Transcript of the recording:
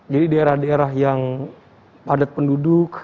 jadi daerah daerah yang padat penduduk